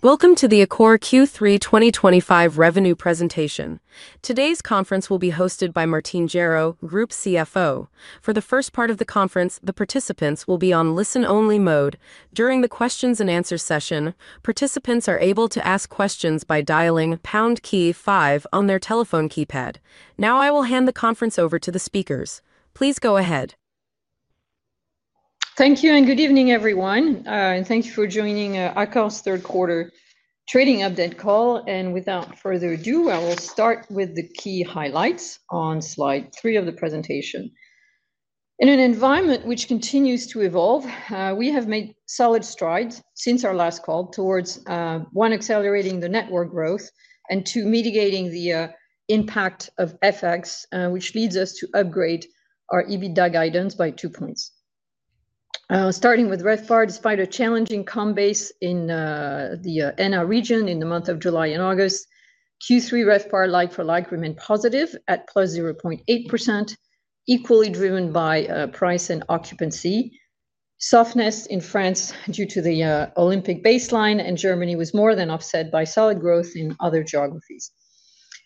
Welcome to the Accor Q3 2025 revenue presentation. Today's conference will be hosted by Martine Gerow, Group CFO. For the first part of the conference, the participants will be on listen-only mode. During the questions and answers session, participants are able to ask questions by dialing #KEY5 on their telephone keypad. Now, I will hand the conference over to the speakers. Please go ahead. Thank you, and good evening, everyone, and thank you for joining Accor's third quarter trading update call. Without further ado, I will start with the key highlights on slide three of the presentation. In an environment which continues to evolve, we have made solid strides since our last call towards, one, accelerating the network growth and, two, mitigating the impact of FX, which leads us to upgrade our EBITDA guidance by two points. Starting with RevPAR, despite a challenging comp base in the ENA region in the month of July and August, Q3 RevPAR, like-for-like, remained positive at +0.8%, equally driven by price and occupancy. Softness in France due to the Olympic baseline and Germany was more than offset by solid growth in other geographies.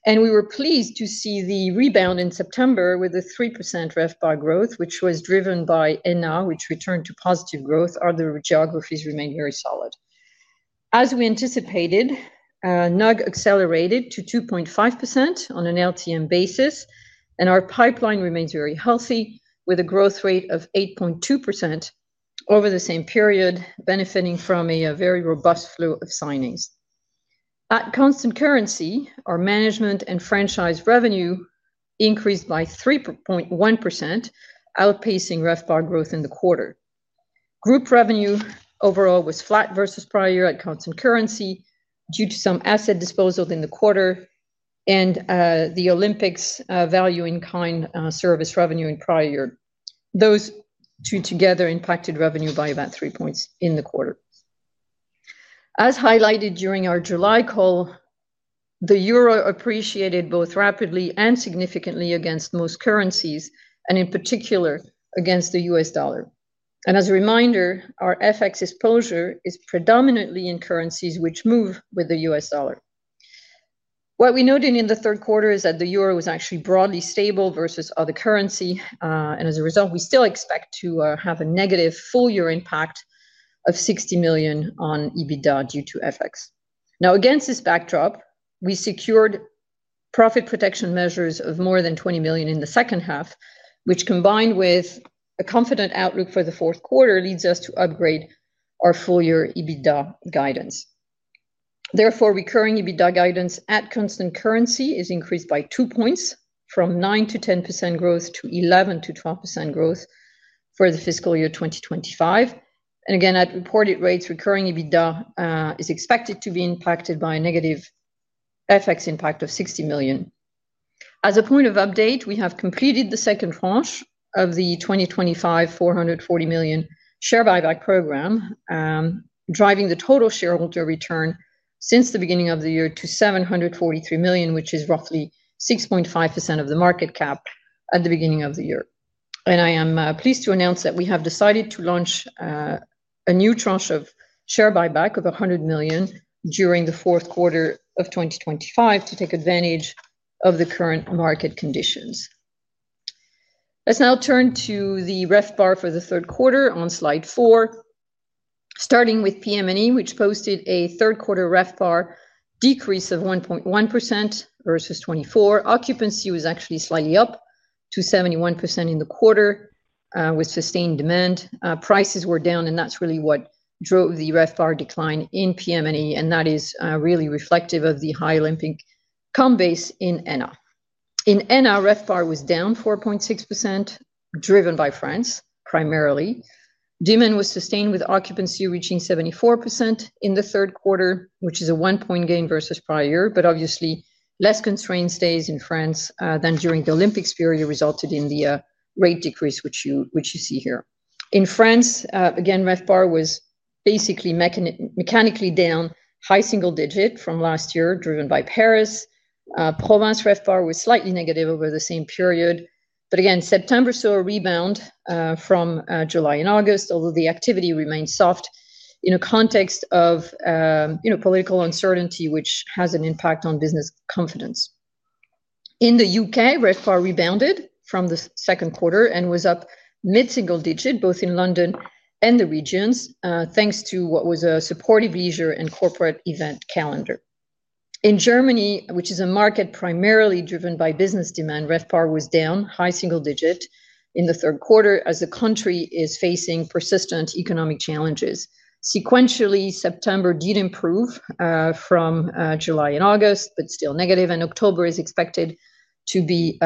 We were pleased to see the rebound in September with the 3% RevPAR growth, which was driven by ENA, which returned to positive growth. Other geographies remain very solid. As we anticipated, NAG accelerated to 2.5% on a LTM basis, and our pipeline remains very healthy with a growth rate of 8.2% over the same period, benefiting from a very robust flow of signings. At constant currency, our management and franchise revenue increased by 3.1%, outpacing RevPAR growth in the quarter. Group revenue overall was flat versus prior year at constant currency due to some asset disposal in the quarter and the Olympics value-in-kind service revenue in prior year. Those two together impacted revenue by about three points in the quarter. As highlighted during our July call, the euro appreciated both rapidly and significantly against most currencies and, in particular, against the U.S. dollar. As a reminder, our FX exposure is predominantly in currencies which move with the U.S. dollar. What we noted in the third quarter is that the euro was actually broadly stable versus other currency. As a result, we still expect to have a negative full-year impact of 60 million on EBITDA due to FX. Now, against this backdrop, we secured profit protection measures of more than 20 million in the second half, which, combined with a confident outlook for the fourth quarter, leads us to upgrade our full-year EBITDA guidance. Therefore, recurring EBITDA guidance at constant currency is increased by two points from 9%-10% growth to 11%-12% growth for the fiscal year 2025. Again, at reported rates, recurring EBITDA is expected to be impacted by a negative FX impact of 60 million. As a point of update, we have completed the second tranche of the 2025 440 million share buyback program, driving the total shareholder return since the beginning of the year to 743 million, which is roughly 6.5% of the market cap at the beginning of the year. I am pleased to announce that we have decided to launch a new tranche of share buyback of 100 million during the fourth quarter of 2025 to take advantage of the current market conditions. Let's now turn to the RevPAR for the third quarter on slide four. Starting with PM&E, which posted a third quarter RevPAR decrease of 1.1% versus 2024. Occupancy was actually slightly up to 71% in the quarter with sustained demand. Prices were down, and that's really what drove the RevPAR decline in PM&E, and that is really reflective of the high Olympic comp base in ENA. In ENA, RevPAR was down 4.6%, driven by France primarily. Demand was sustained with occupancy reaching 74% in the third quarter, which is a one-point gain versus prior year, but obviously less constrained stays in France than during the Olympics period resulted in the rate decrease which you see here. In France, again, RevPAR was basically mechanically down high single digit from last year, driven by Paris. Provence RevPAR was slightly negative over the same period. September saw a rebound from July and August, although the activity remained soft in a context of political uncertainty, which has an impact on business confidence. In the U.K., RevPAR rebounded from the second quarter and was up mid-single digit both in London and the regions thanks to what was a supportive leisure and corporate event calendar. In Germany, which is a market primarily driven by business demand, RevPAR was down high single digit in the third quarter as the country is facing persistent economic challenges. Sequentially, September did improve from July and August, but still negative, and October is expected to be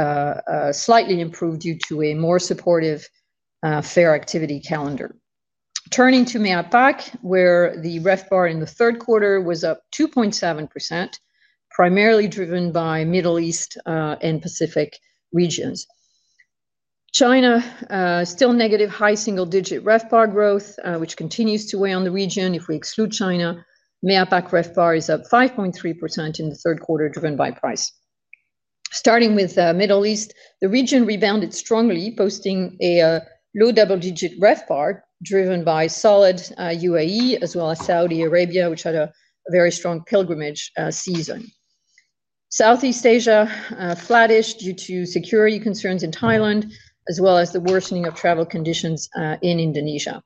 slightly improved due to a more supportive fair activity calendar. Turning to MEA APAC, where the RevPAR in the third quarter was up 2.7%, primarily driven by Middle East and Pacific regions. China, still negative high single digit RevPAR growth, which continues to weigh on the region. If we exclude China, MEA APAC RevPAR is up 5.3% in the third quarter, driven by price. Starting with the Middle East, the region rebounded strongly, posting a low double-digit RevPAR driven by solid UAE as well as Saudi Arabia, which had a very strong pilgrimage season. Southeast Asia flattish due to security concerns in Thailand, as well as the worsening of travel conditions in Indonesia.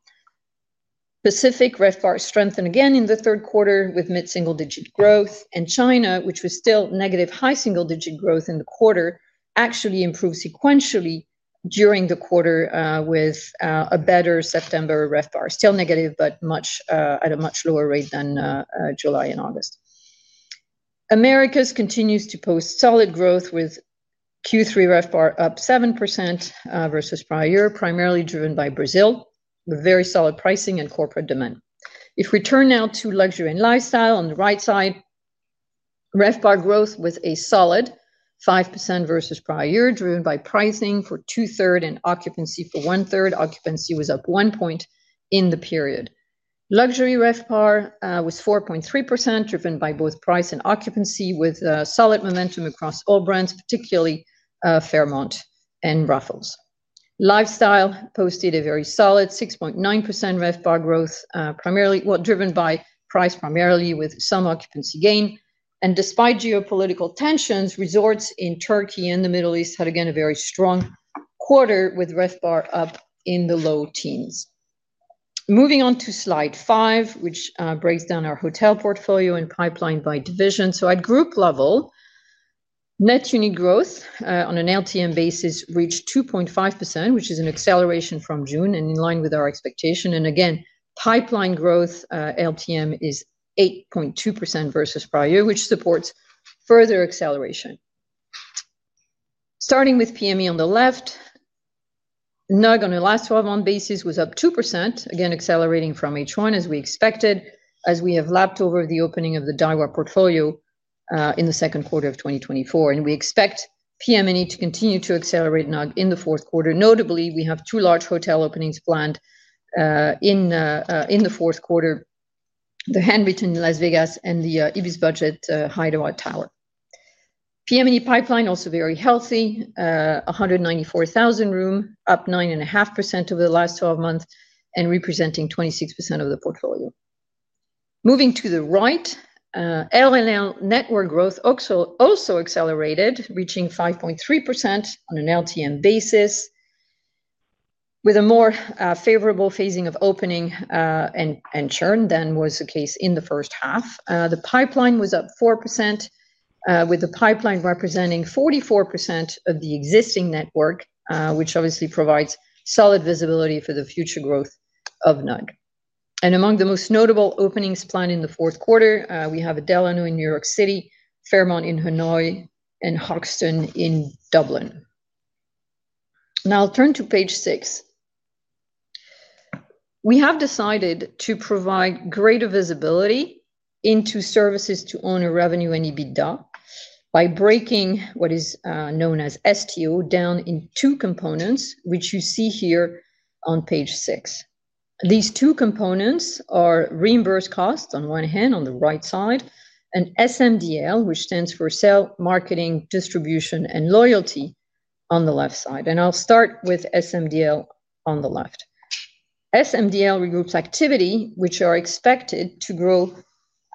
Pacific RevPAR strengthened again in the third quarter with mid-single digit growth, and China, which was still negative high single digit growth in the quarter, actually improved sequentially during the quarter with a better September RevPAR, still negative, but at a much lower rate than July and August. America continues to post solid growth with Q3 RevPAR up 7% versus prior year, primarily driven by Brazil with very solid pricing and corporate demand. If we turn now to luxury and lifestyle on the right side, RevPAR growth was a solid 5% versus prior year, driven by pricing for 2/3 and occupancy for 1/3. Occupancy was up one point in the period. Luxury RevPAR was 4.3%, driven by both price and occupancy, with solid momentum across all brands, particularly Fairmont and Raffles. Lifestyle posted a very solid 6.9% RevPAR growth, driven by price primarily with some occupancy gain. Despite geopolitical tensions, resorts in Turkey and the Middle East had, again, a very strong quarter with RevPAR up in the low teens. Moving on to slide five, which breaks down our hotel portfolio and pipeline by division. At group level, net unit growth on an LTM basis reached 2.5%, which is an acceleration from June and in line with our expectation. Pipeline growth LTM is 8.2% versus prior year, which supports further acceleration. Starting with PME on the left, NAG on a last-twelve-month basis was up 2%, again accelerating from H1 as we expected, as we have lapped over the opening of the Daiwa portfolio in the second quarter of 2024. We expect PME to continue to accelerate NAG in the fourth quarter. Notably, we have two large hotel openings planned in the fourth quarter: the Handwritten in Las Vegas and the Ibis Budget Heidewaht Tower. PME pipeline also very healthy, 194,000 rooms, up 9.5% over the last 12 months and representing 26% of the portfolio. Moving to the right, LNL network growth also accelerated, reaching 5.3% on an LTM basis with a more favorable phasing of opening and churn than was the case in the first half. The pipeline was up 4%, with the pipeline representing 44% of the existing network, which obviously provides solid visibility for the future growth of NAG. Among the most notable openings planned in the fourth quarter, we have Delano in New York City, Fairmont in Hanoi, and Hoxton in Dublin. Now I'll turn to page six. We have decided to provide greater visibility into services to owner revenue and EBITDA by breaking what is known as STO down into two components, which you see here on page six. These two components are reimbursed costs on one hand on the right side and SMDL, which stands for Sales, Marketing, Distribution, and Loyalty on the left side. I'll start with SMDL on the left. SMDL regroups activity, which are expected to grow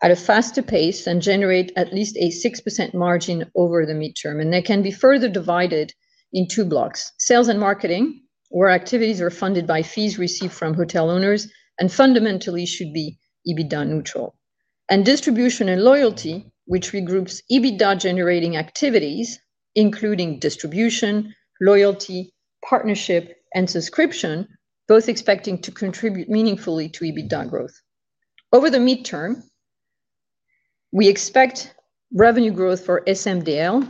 at a faster pace and generate at least a 6% margin over the midterm. They can be further divided into two blocks: sales and marketing, where activities are funded by fees received from hotel owners and fundamentally should be EBITDA-neutral, and distribution and loyalty, which regroups EBITDA-generating activities, including distribution, loyalty, partnership, and subscription, both expecting to contribute meaningfully to EBITDA growth. Over the midterm, we expect revenue growth for SMDL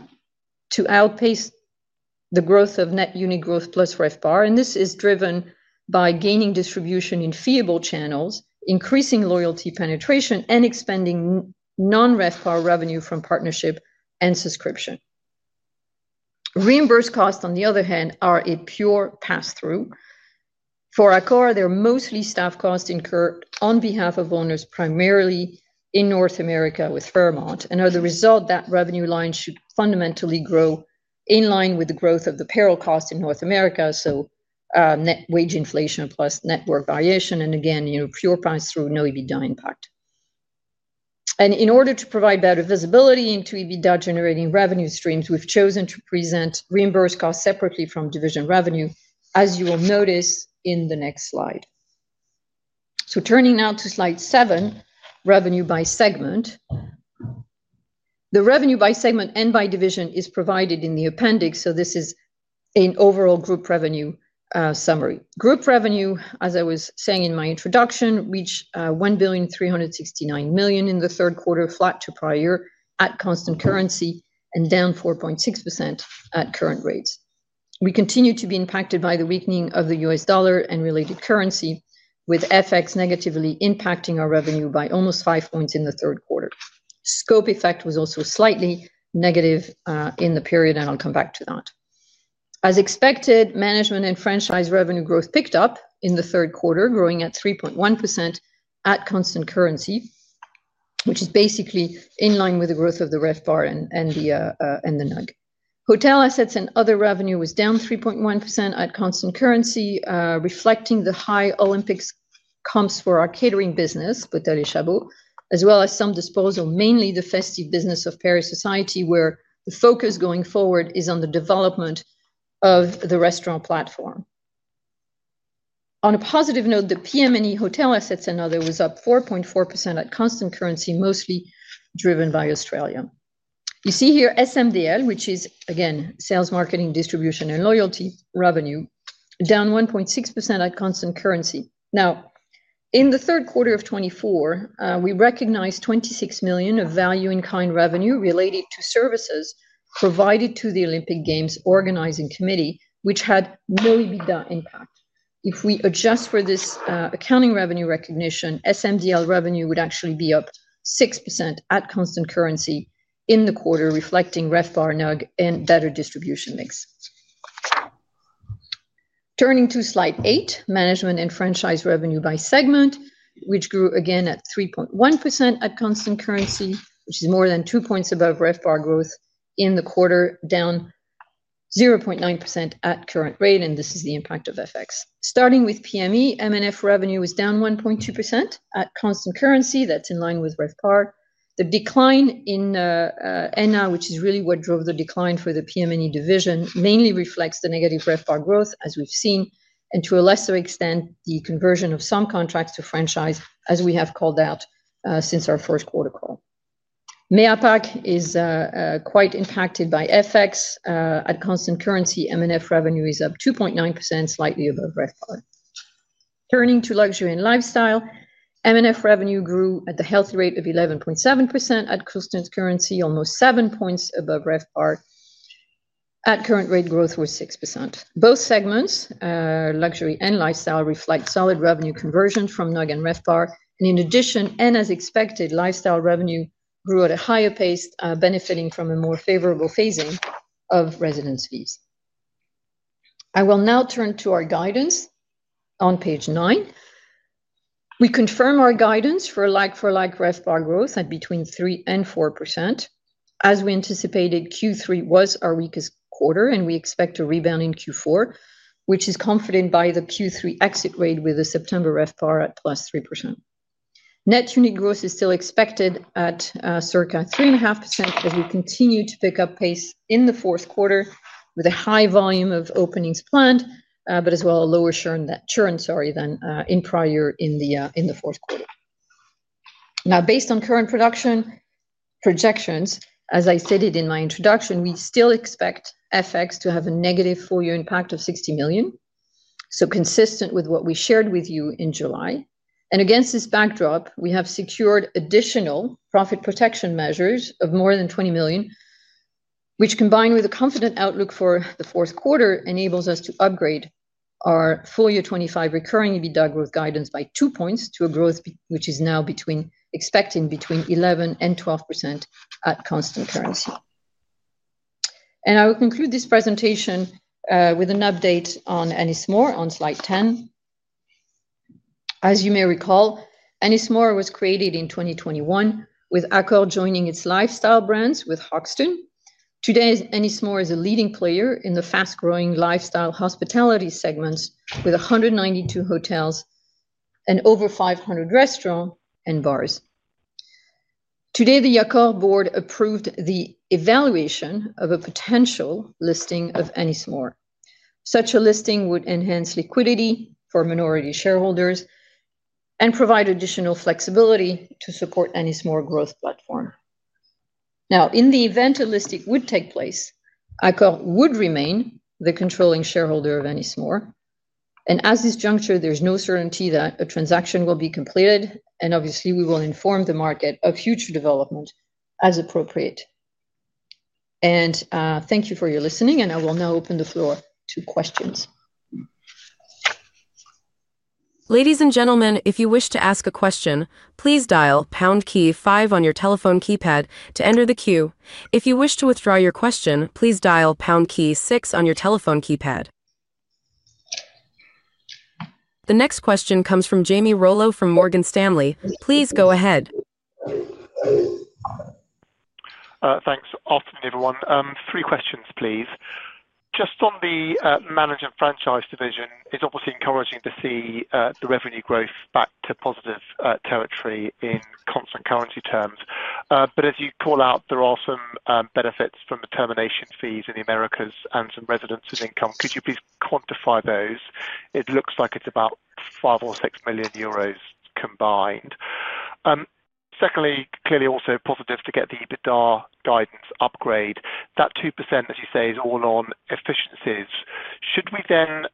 to outpace the growth of net unit growth plus RevPAR, and this is driven by gaining distribution in feeable channels, increasing loyalty penetration, and expanding non-RevPAR revenue from partnership and subscription. Reimbursed costs, on the other hand, are a pure pass-through. For Accor, they're mostly staff costs incurred on behalf of owners, primarily in North America with Fairmont, and are the result that revenue lines should fundamentally grow in line with the growth of the payroll costs in North America, so net wage inflation plus network variation. Again, pure pass-through, no EBITDA impact. In order to provide better visibility into EBITDA-generating revenue streams, we've chosen to present reimbursed costs separately from division revenue, as you will notice in the next slide. Turning now to slide seven, revenue by segment. The revenue by segment and by division is provided in the appendix, so this is an overall group revenue summary. Group revenue, as I was saying in my introduction, reached 1,369 million in the third quarter, flat to prior year at constant currency and down 4.6% at current rates. We continue to be impacted by the weakening of the U.S. dollar and related currency, with FX negatively impacting our revenue by almost five points in the third quarter. Scope effect was also slightly negative in the period, and I'll come back to that. As expected, management and franchise revenue growth picked up in the third quarter, growing at 3.1% at constant currency, which is basically in line with the growth of the RevPAR and the NAG. Hotel assets and other revenue was down 3.1% at constant currency, reflecting the high Olympics comps for our catering business, Hôtel de Château, as well as some disposal, mainly the festive business of Paris Society, where the focus going forward is on the development of the restaurant platform. On a positive note, the PM&E hotel assets and other was up 4.4% at constant currency, mostly driven by Australia. You see here SMDL, which is, again, sales, marketing, distribution, and loyalty revenue, down 1.6% at constant currency. Now, in the third quarter of 2024, we recognized 26 million of value in kind revenue related to services provided to the Olympic Games Organizing Committee, which had no EBITDA impact. If we adjust for this accounting revenue recognition, SMDL revenue would actually be up 6% at constant currency in the quarter, reflecting RevPAR, NAG, and better distribution mix. Turning to slide eight, management and franchise revenue by segment, which grew again at 3.1% at constant currency, which is more than two points above RevPAR growth in the quarter, down 0.9% at current rate, and this is the impact of FX. Starting with PM&E, M&F revenue was down 1.2% at constant currency. That's in line with RevPAR. The decline in NR, which is really what drove the decline for the PM&E division, mainly reflects the negative RevPAR growth, as we've seen, and to a lesser extent, the conversion of some contracts to franchise, as we have called out since our first quarter call. MEA APAC is quite impacted by FX. At constant currency, M&F revenue is up 2.9%, slightly above RevPAR. Turning to luxury and lifestyle, M&F revenue grew at the healthy rate of 11.7% at constant currency, almost seven points above RevPAR. At current rate, growth was 6%. Both segments, luxury and lifestyle, reflect solid revenue conversions from NAG and RevPAR. In addition, and as expected, lifestyle revenue grew at a higher pace, benefiting from a more favorable phasing of residence fees. I will now turn to our guidance on page nine. We confirm our guidance for a like-for-like RevPAR growth at between 3% and 4%. As we anticipated, Q3 was our weakest quarter, and we expect a rebound in Q4, which is comforted by the Q3 exit rate with a September RevPAR at +3%. Net unit growth is still expected at circa 3.5%, as we continue to pick up pace in the fourth quarter with a high volume of openings planned, as well a lower churn than in prior year in the fourth quarter. Now, based on current production projections, as I stated in my introduction, we still expect FX to have a negative full-year impact of 60 million, consistent with what we shared with you in July. Against this backdrop, we have secured additional profit protection measures of more than 20 million, which, combined with a confident outlook for the fourth quarter, enables us to upgrade our full-year 2025 recurring EBITDA growth guidance by two points to a growth which is now expected between 11% and 12% at constant currency. I will conclude this presentation with an update on Ennismore on slide 10. As you may recall, Ennismore was created in 2021, with Accor joining its lifestyle brands with Hoxton. Today, Ennismore is a leading player in the fast-growing lifestyle hospitality segments with 192 hotels and over 500 restaurants and bars. Today, the Accor board approved the evaluation of a potential listing of Ennismore. Such a listing would enhance liquidity for minority shareholders and provide additional flexibility to support Ennismore's growth platform. In the event a listing would take place, Accor would remain the controlling shareholder of Ennismore. At this juncture, there's no certainty that a transaction will be completed. We will inform the market of future development as appropriate. Thank you for your listening, and I will now open the floor to questions. Ladies and gentlemen, if you wish to ask a question, please dial #KEY5 on your telephone keypad to enter the queue. If you wish to withdraw your question, please dial #KEY6 on your telephone keypad. The next question comes from Jamie Rollo from Morgan Stanley. Please go ahead. Thanks. Afternoon everyone. Three questions, please. Just on the management franchise division, it's obviously encouraging to see the revenue growth back to positive territory in constant currency terms. As you call out, there are some benefits from the termination fees in the Americas and some residence income. Could you please quantify those? It looks like it's about 5 million or 6 million euros combined. Secondly, clearly also positive to get the EBITDA guidance upgrade. That 2%, as you say, is all on efficiencies. Should we then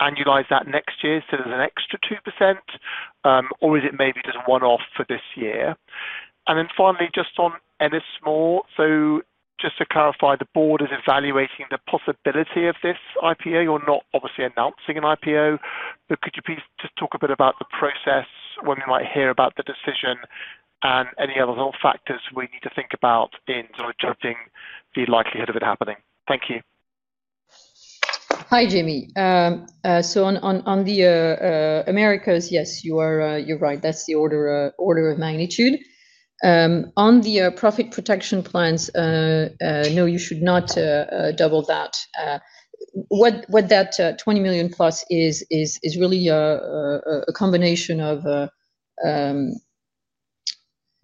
annualize that next year so there's an extra 2%, or is it maybe just a one-off for this year? Finally, just on Ennismore, just to clarify, the board is evaluating the possibility of this IPO. You're not obviously announcing an IPO. Could you please just talk a bit about the process, when we might hear about the decision, and any other factors we need to think about in sort of judging the likelihood of it happening? Thank you. Hi, Jamie. On the Americas, yes, you're right. That's the order of magnitude. On the profit protection plans, no, you should not double that. What that 20 million+ is really a combination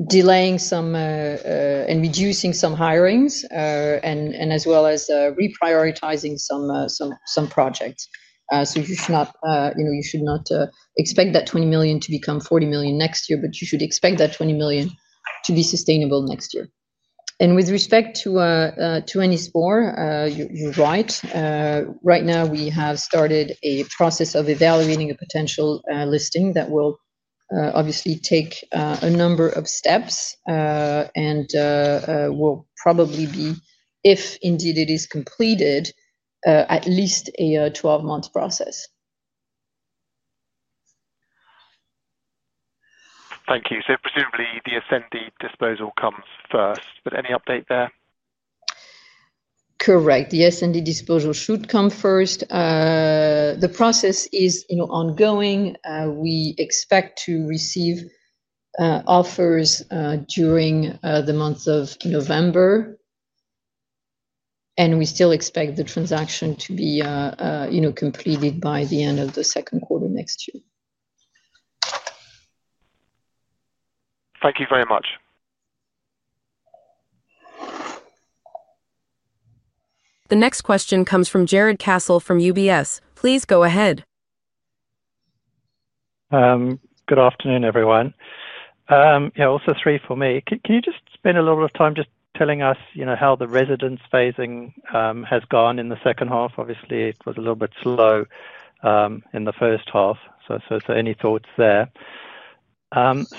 of delaying some and reducing some hirings, as well as reprioritizing some projects. You should not expect that 20 million to become 40 million next year, but you should expect that 20 million to be sustainable next year. With respect to Ennismore, you're right. Right now, we have started a process of evaluating a potential listing that will obviously take a number of steps and will probably be, if indeed it is completed, at least a 12-month process. Thank you. Presumably, the assembly disposal comes first, but any update there? Correct. The assembly disposal should come first. The process is ongoing. We expect to receive offers during the month of November, and we still expect the transaction to be completed by the end of the second quarter next year. Thank you very much. The next question comes from Jarrod Castle from UBS. Please go ahead. Good afternoon, everyone. Also, three for me. Can you just spend a little bit of time just telling us how the residence phasing has gone in the second half? Obviously, it was a little bit slow in the first half. Any thoughts there?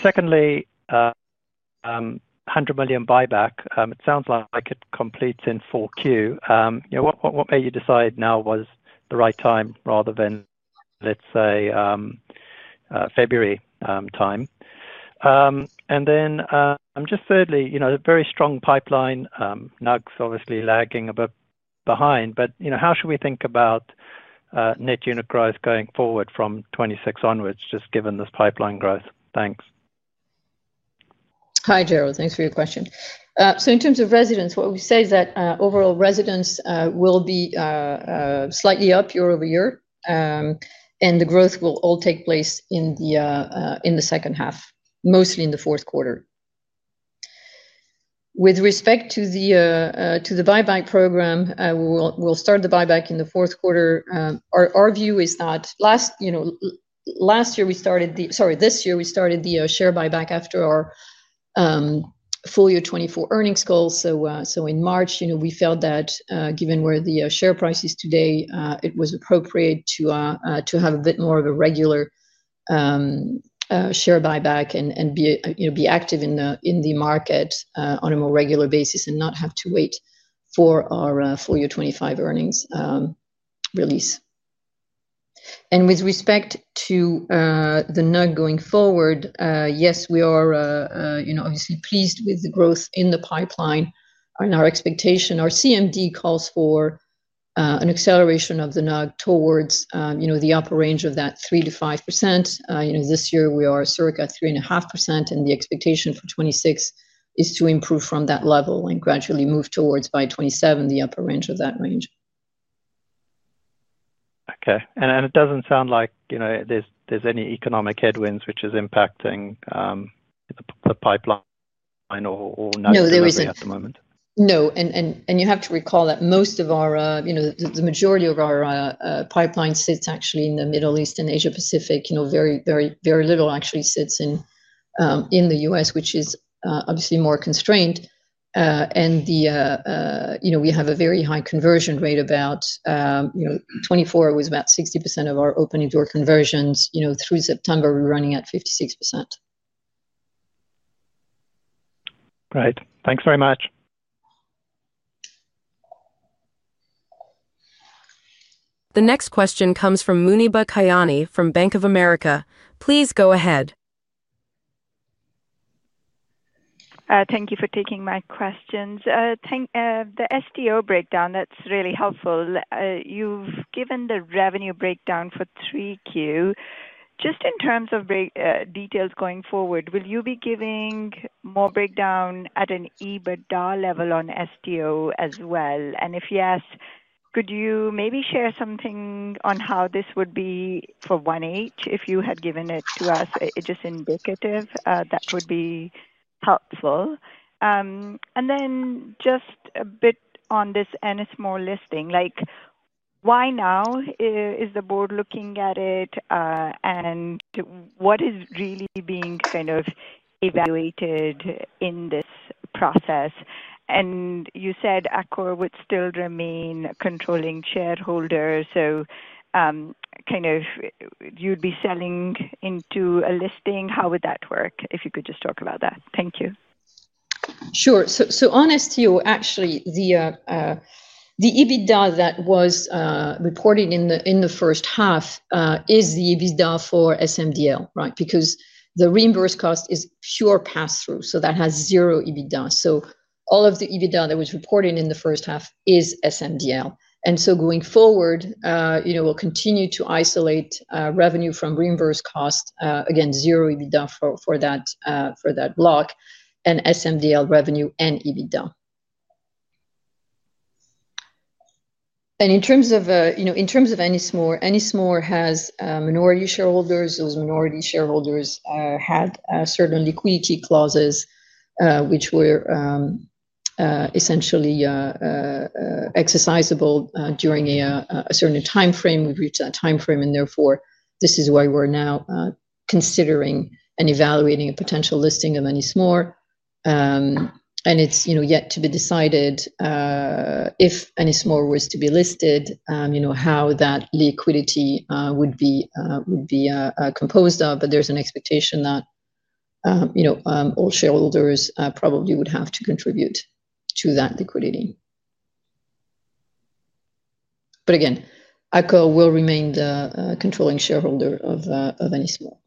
Secondly, 100 million buyback. It sounds like it completes in Q4. What made you decide now was the right time rather than, let's say, February time? Thirdly, you know a very strong pipeline. NAG's obviously lagging a bit behind. How should we think about net unit growth going forward from 2026 onwards, just given this pipeline growth? Thanks. Hi, Gerald. Thanks for your question. In terms of residents, what we say is that overall residents will be slightly up year-over-year, and the growth will all take place in the second half, mostly in the fourth quarter. With respect to the share buyback program, we'll start the buyback in the fourth quarter. Our view is that this year, we started the share buyback after our full-year 2024 earnings call. In March, we felt that given where the share price is today, it was appropriate to have a bit more of a regular share buyback and be active in the market on a more regular basis and not have to wait for our full-year 2025 earnings release. With respect to the NAG going forward, yes, we are obviously pleased with the growth in the pipeline. Our expectation, our CMD calls for an acceleration of the NAG towards the upper range of that 3%-5%. This year, we are circa 3.5%, and the expectation for 2026 is to improve from that level and gradually move towards, by 2027, the upper range of that range. Okay. It doesn't sound like there's any economic headwinds which is impacting the pipeline or NAG at the moment. No, there isn't. You have to recall that most of our, the majority of our pipeline sits actually in the Middle East and Asia Pacific. Very, very little actually sits in the U.S., which is obviously more constrained. We have a very high conversion rate. About 2024 was about 60% of our opening door conversions. Through September, we're running at 56%. Great. Thanks very much. The next question comes from Muneeba Kayani from Bank of America. Please go ahead. Thank you for taking my questions. The STO breakdown, that's really helpful. You've given the revenue breakdown for 3Q. Just in terms of details going forward, will you be giving more breakdown at an EBITDA level on STO as well? If yes, could you maybe share something on how this would be for 1H? If you had given it to us, it's just indicative, that would be helpful. Just a bit on this Ennismore listing. Why now is the board looking at it, and what is really being kind of evaluated in this process? You said Accor would still remain a controlling shareholder. You'd be selling into a listing. How would that work if you could just talk about that? Thank you. Sure. On STO, actually, the EBITDA that was reported in the first half is the EBITDA for SMDL, right? Because the reimbursed cost is pure pass-through, that has zero EBITDA. All of the EBITDA that was reported in the first half is SMDL. Going forward, we'll continue to isolate revenue from reimbursed cost, again, zero EBITDA for that block, and SMDL revenue and EBITDA. In terms of Ennismore, Ennismore has minority shareholders. Those minority shareholders had certain liquidity clauses which were essentially exercisable during a certain time frame. We've reached that time frame, and therefore, this is why we're now considering and evaluating a potential listing of Ennismore. It's yet to be decided if Ennismore was to be listed, how that liquidity would be composed of. There's an expectation that all shareholders probably would have to contribute to that liquidity. Again, Accor will remain the controlling shareholder of Ennismore.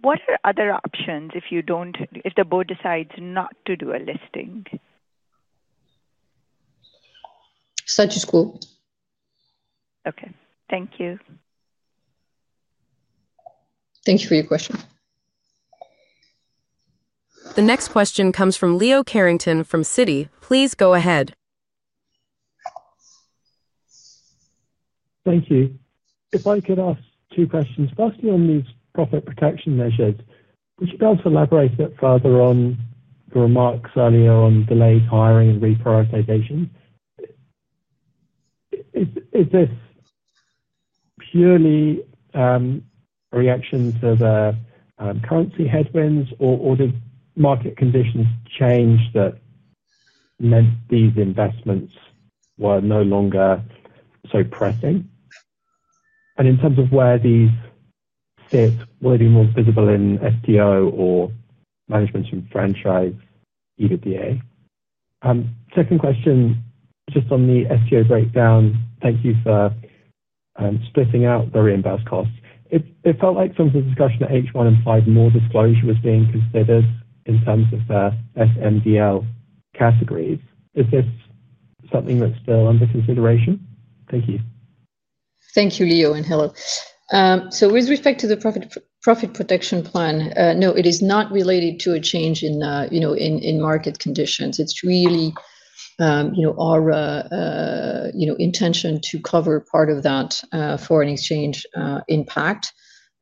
What are other options if you don't, if the board decides not to do a listing? Status quo. Okay, thank you. Thank you for your question. The next question comes from Leo Carrington from Citi. Please go ahead. Thank you. If I could ask two questions, firstly on these profit protection measures, would you be able to elaborate a bit further on the remarks earlier on delayed hiring and reprioritization? Is this purely a reaction to the currency headwinds, or did market conditions change that meant these investments were no longer so pressing? In terms of where these sit, will it be more visible in STO or management and franchise EBITDA? Second question, just on the STO breakdown. Thank you for splitting out the reimbursed costs. It felt like from the discussion at H1 and 5, more disclosure was being considered in terms of the SMDL categories. Is this something that's still under consideration? Thank you. Thank you, Leo, and hello. With respect to the profit protection plan, no, it is not related to a change in market conditions. It's really our intention to cover part of that foreign exchange impact.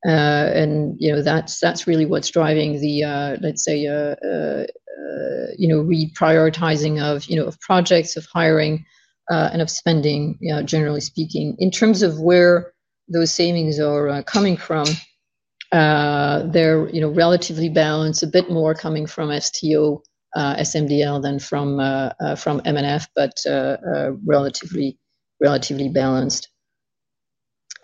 That's really what's driving the, let's say, reprioritizing of projects, of hiring, and of spending, generally speaking. In terms of where those savings are coming from, they're relatively balanced, a bit more coming from STO, SMDL than from M&F, but relatively balanced.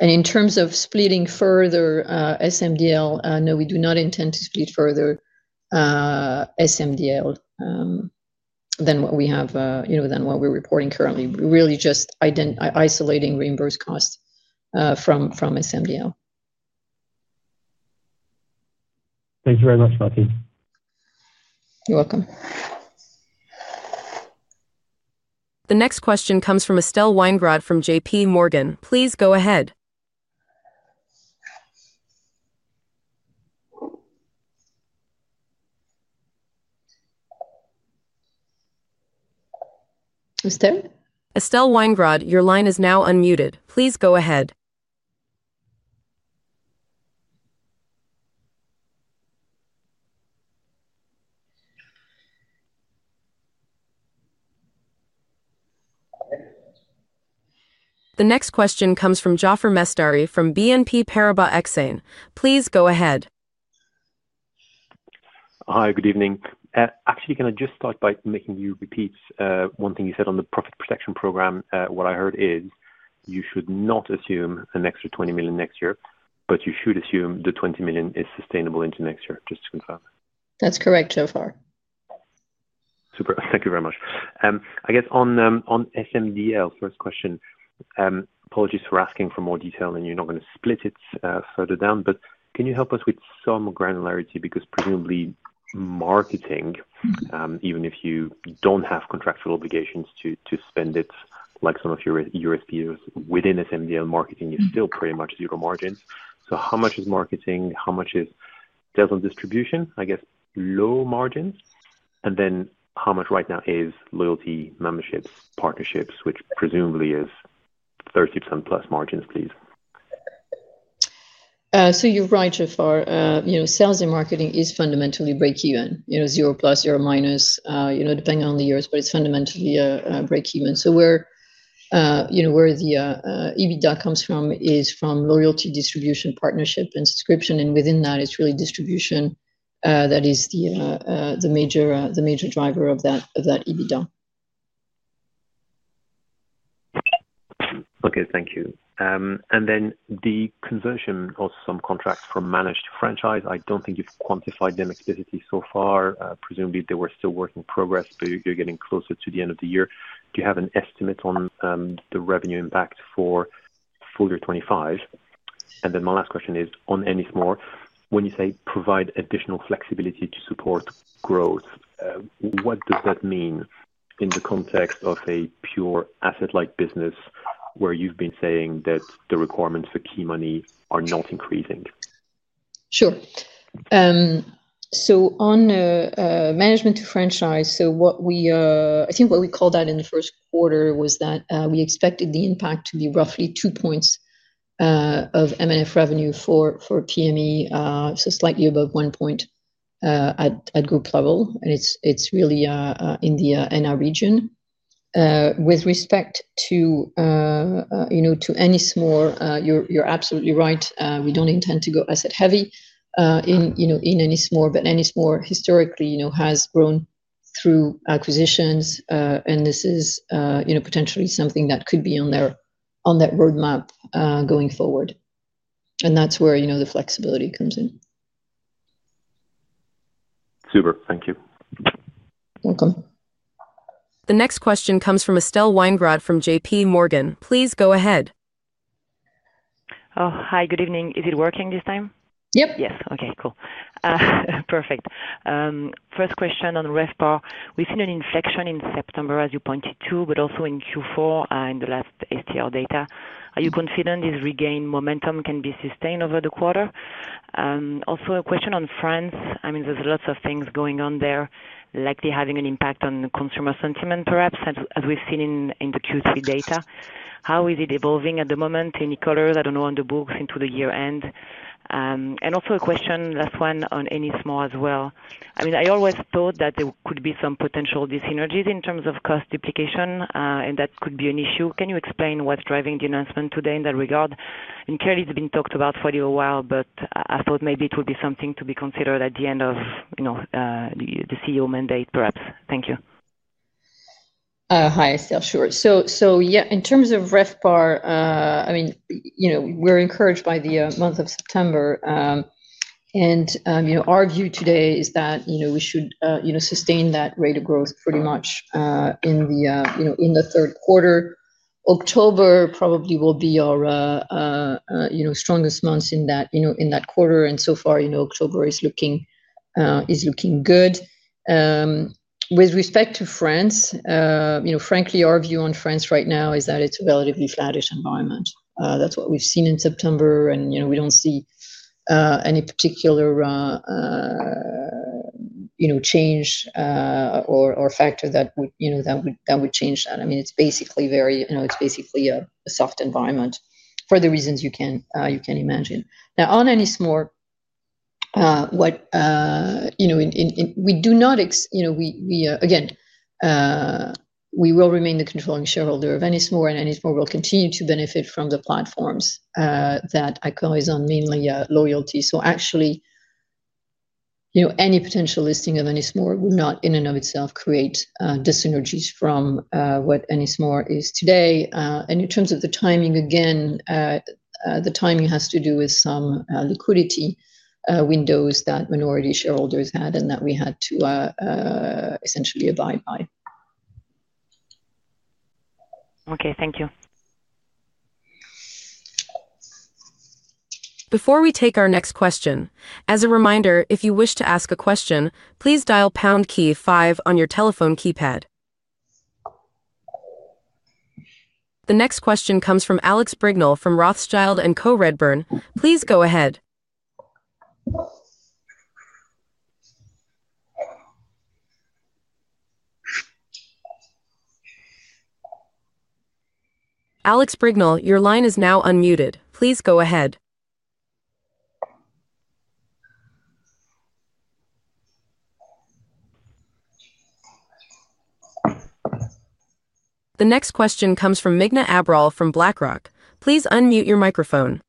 In terms of splitting further SMDL, no, we do not intend to split further SMDL than what we have and what we're reporting currently. We're really just isolating reimbursed costs from SMDL. Thank you very much, Martine. You're welcome. The next question comes from Estelle Weingrod from JPMorgan. Please go ahead. Estelle? Estelle Weingrod, your line is now unmuted. Please go ahead. The next question comes from Jaafer Mestari from BNP Paribas Exane. Please go ahead. Hi, good evening. Actually, can I just start by making you repeat one thing you said on the profit protection program? What I heard is you should not assume an extra 20 million next year, but you should assume the 20 million is sustainable into next year, just to confirm. That's correct so far. Super. Thank you very much. I guess on SMDL, first question, apologies for asking for more detail and you're not going to split it further down, but can you help us with some granularity? Because presumably marketing, even if you don't have contractual obligations to spend it like some of your USPs, within SMDL, marketing is still pretty much zero margins. How much is marketing? How much is sales and distribution? I guess low margins. How much right now is loyalty, memberships, partnerships, which presumably is 30%+ margins, please. You're right so far. Sales and marketing is fundamentally breakeven, 0+, 0-, depending on the years, but it's fundamentally breakeven. Where the EBITDA comes from is from loyalty, distribution, partnership, and subscription. Within that, it's really distribution that is the major driver of that EBITDA. Okay. Thank you. The conversion of some contracts from managed to franchise, I don't think you've quantified them explicitly so far. Presumably, they were still a work in progress, but you're getting closer to the end of the year. Do you have an estimate on the revenue impact for full year 2025? My last question is on Ennismore. When you say provide additional flexibility to support growth, what does that mean in the context of a pure asset-light business where you've been saying that the requirements for key money are not increasing? Sure. On management to franchise, what we called out in the first quarter was that we expected the impact to be roughly 2 points of M&F revenue for PME, so slightly above 1 point at group level. It is really in the NR region. With respect to Ennismore, you're absolutely right. We don't intend to go asset-heavy in Ennismore, but Ennismore historically has grown through acquisitions, and this is potentially something that could be on their roadmap going forward. That's where the flexibility comes in. Super. Thank you. You're welcome. The next question comes from Estelle Weingrod from JPMorgan. Please go ahead. Hi, good evening. Is it working this time? Yep. Yes. Okay. Cool. Perfect. First question on RevPAR. We've seen an inflection in September, as you pointed to, but also in Q4 in the last STR data. Are you confident this regained momentum can be sustained over the quarter? Also, a question on France. I mean, there's lots of things going on there, likely having an impact on consumer sentiment, perhaps, as we've seen in the Q3 data. How is it evolving at the moment? Any colors, I don't know, on the books into the year-end? Also, a question, last one, on Ennismore as well. I mean, I always thought that there could be some potential dis-synergies in terms of cost duplication, and that could be an issue. Can you explain what's driving the announcement today in that regard? Clearly, it's been talked about for a little while, but I thought maybe it would be something to be considered at the end of the CEO mandate, perhaps. Thank you. Hi, Estelle. Sure. In terms of RevPAR, we're encouraged by the month of September. Our view today is that we should sustain that rate of growth pretty much in the third quarter. October probably will be our strongest month in that quarter, and so far, October is looking good. With respect to France, frankly, our view on France right now is that it's a relatively flattish environment. That's what we've seen in September, and we don't see any particular change or factor that would change that. It's basically a soft environment for the reasons you can imagine. Now, on Ennismore, we do not, again, we will remain the controlling shareholder of Ennismore, and Ennismore will continue to benefit from the platforms that Accor is on, mainly loyalty. Actually, any potential listing of Ennismore would not, in and of itself, create dis-synergies from what Ennismore is today. In terms of the timing, again, the timing has to do with some liquidity windows that minority shareholders had and that we had to essentially abide by. Okay. Thank you. Before we take our next question, as a reminder, if you wish to ask a question, please dial #KEY5 on your telephone keypad. The next question comes from Alex Brignall from Rothschild & Co. Redburn. Please go ahead. Alex Brignell, your line is now unmuted. Please go ahead. The next question comes from Megna Abral from BlackRock. Please unmute your microphone.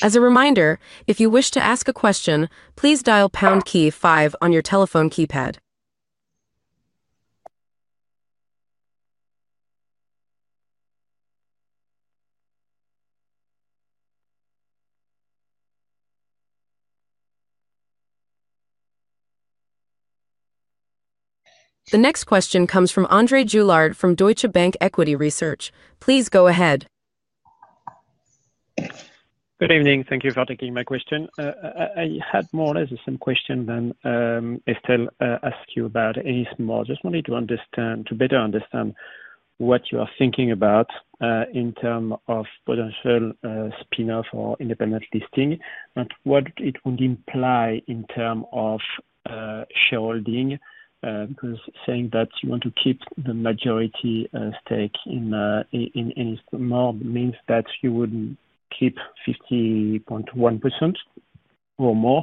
As a reminder, if you wish to ask a question, please dial #KEY5 on your telephone keypad. The next question comes from Andre Juillard from Deutsche Bank Equity Research. Please go ahead. Good evening. Thank you for taking my question. I had more or less the same question that Estelle asked you about Ennismore. Just wanted to understand, to better understand what you are thinking about in terms of potential spin-off or independent listing and what it would imply in terms of shareholding. Because saying that you want to keep the majority stake in Ennismore means that you would keep 50.1% or more,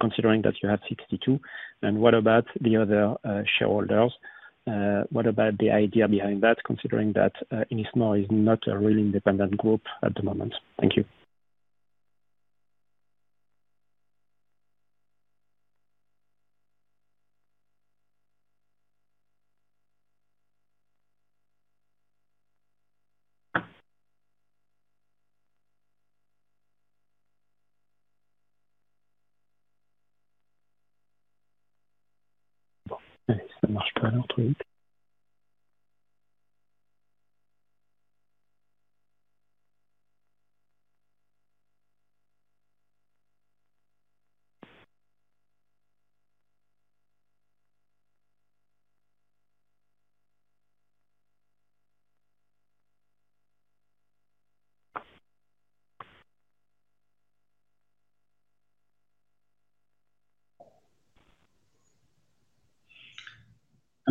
considering that you have 62%. What about the other shareholders? What about the idea behind that, considering that Ennismore is not a really independent group at the moment? Thank you.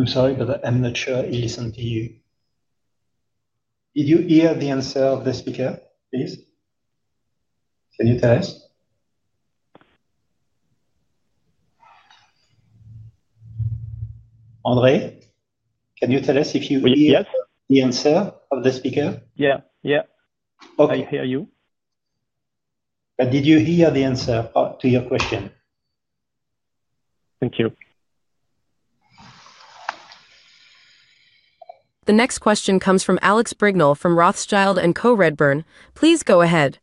I'm sorry, but I'm not sure I listened to you. Did you hear the answer of the speaker, please? Can you tell us? Andre, can you tell us if you hear the answer of the speaker? Yeah, yeah. I hear you. Did you hear the answer to your question? Thank you. The next question comes from Alex Brignall from Rothschild & Co. Redburn. Please go ahead.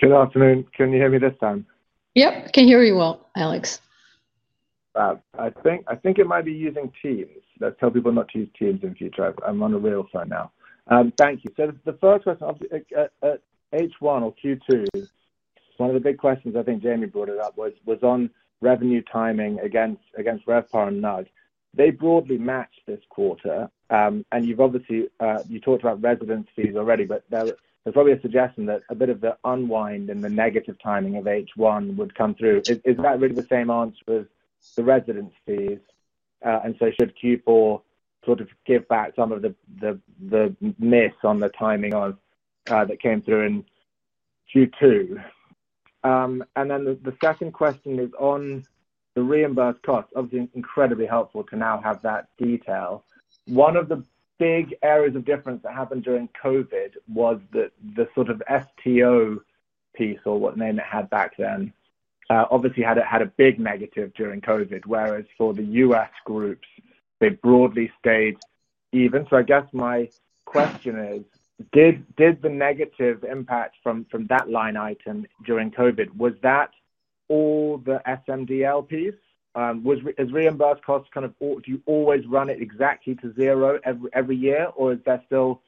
Good afternoon. Can you hear me this time? Yep, I can hear you well, Alex. I think it might be using Teams. Let's tell people not to use Teams in the future. I'm on a real phone now. Thank you. The first question of H1 or Q2, one of the big questions I think Jamie brought it up was on revenue timing against RevPAR and NAG. They broadly matched this quarter. You've obviously, you talked about residence fees already, but there's probably a suggestion that a bit of the unwind in the negative timing of H1 would come through. Is that really the same answer as the residence fees? Should Q4 sort of give back some of the miss on the timing that came through in Q2? The second question is on the reimbursed costs. Obviously, incredibly helpful to now have that detail. One of the big areas of difference that happened during COVID was that the sort of STO piece, or what name it had back then, obviously had a big negative during COVID, whereas for the U.S. groups, they broadly stayed even. I guess my question is, did the negative impact from that line item during COVID, was that all the SMDL piece? Is reimbursed costs kind of, do you always run it exactly to zero every year, or is there still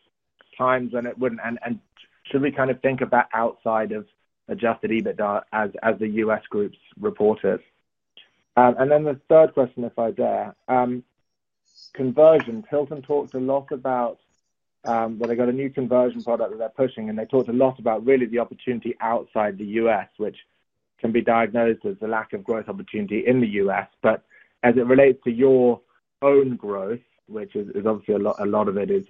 times when it wouldn't? Should we kind of think of that outside of adjusted EBITDA as the U.S. groups reported? The third question, if I dare, conversions. Hilton talked a lot about that, they got a new conversion product that they're pushing, and they talked a lot about really the opportunity outside the U.S., which can be diagnosed as a lack of growth opportunity in the U.S. As it relates to your own growth, which is obviously a lot of it is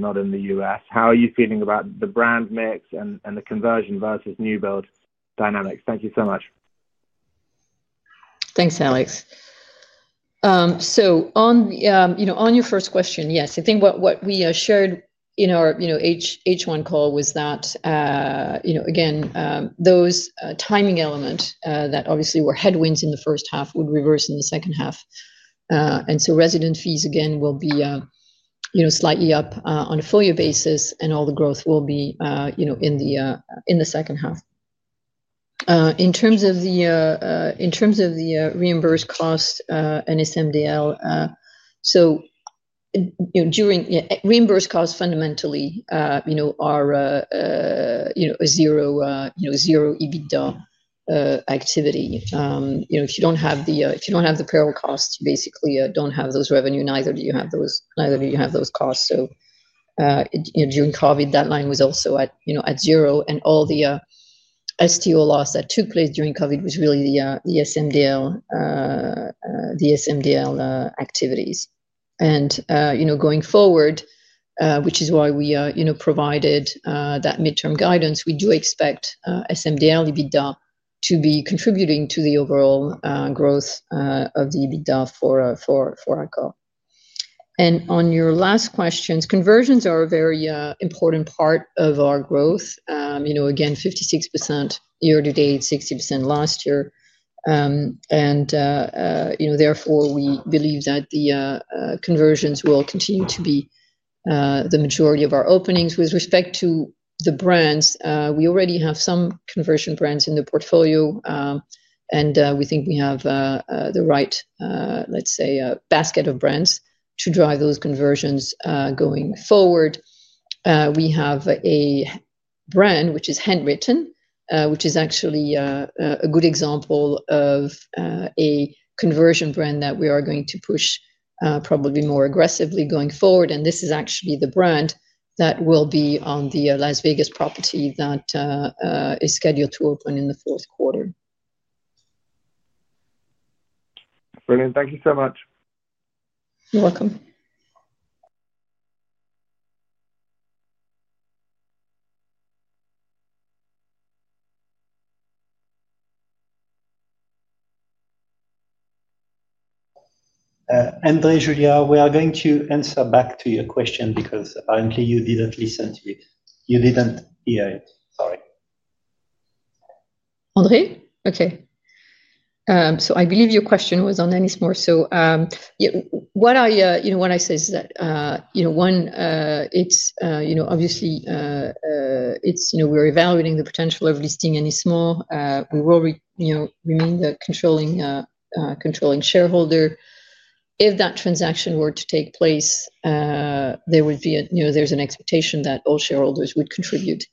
not in the U.S., how are you feeling about the brand mix and the conversion versus new build dynamics? Thank you so much. Thanks, Alex. On your first question, yes, I think what we shared in our H1 call was that those timing elements that obviously were headwinds in the first half would reverse in the second half. Resident fees, again, will be slightly up on a full-year basis, and all the growth will be in the second half. In terms of the reimbursed costs and SMDL, reimbursed costs fundamentally are a zero EBITDA activity. If you don't have the payroll costs, you basically don't have those revenue, neither do you have those costs. During COVID, that line was also at zero, and all the STO loss that took place during COVID was really the SMDL activities. Going forward, which is why we provided that midterm guidance, we do expect SMDL EBITDA to be contributing to the overall growth of the EBITDA for Accor. On your last questions, conversions are a very important part of our growth. Again, 56% year-to-date, 60% last year. We believe that the conversions will continue to be the majority of our openings. With respect to the brands, we already have some conversion brands in the portfolio, and we think we have the right, let's say, basket of brands to drive those conversions going forward. We have a brand which is Handwritten, which is actually a good example of a conversion brand that we are going to push probably more aggressively going forward. This is actually the brand that will be on the Las Vegas property that is scheduled to open in the fourth quarter. Brilliant. Thank you so much. You're welcome. Andre, we are going to answer back to your question because apparently you didn't listen to it. You didn't hear it. Sorry. Okay. I believe your question was on Ennismore. What I said is that, one, obviously, we're evaluating the potential of listing Ennismore. We will remain the controlling shareholder. If that transaction were to take place, there would be an expectation that all shareholders would contribute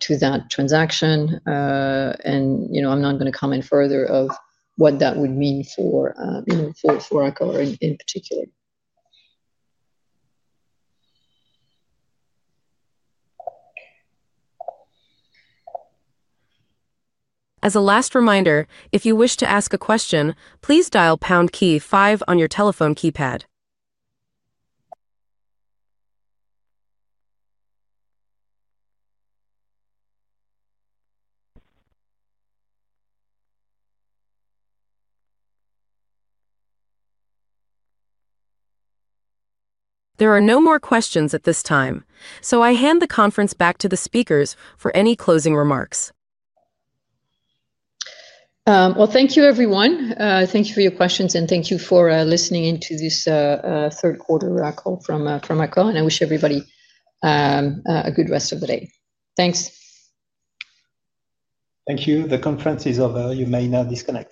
to that transaction. I'm not going to comment further on what that would mean for Accor in particular. As a last reminder, if you wish to ask a question, please dial #KEY5 on your telephone keypad. There are no more questions at this time. I hand the conference back to the speakers for any closing remarks. Thank you, everyone. Thank you for your questions, and thank you for listening into this third quarter call from Accor, and I wish everybody a good rest of the day. Thanks. Thank you. The conference is over. You may now discontinue.